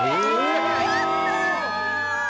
やったー！